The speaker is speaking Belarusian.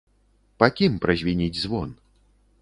Па кім празвініць звон?